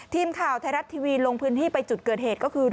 ทีมข่าวไทยรัฐทีวีลงพื้นที่ไปจุดเกิดเหตุก็คือ